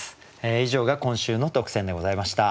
以上が今週の特選でございました。